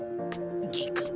ギク。